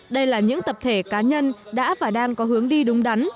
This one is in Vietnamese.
đây là những tập thể cá nhân đã và đang có hướng đi đúng đắn